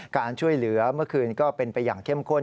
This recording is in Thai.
การช่วยเหลือเมื่อคืนก็เป็นไปอย่างเข้มข้น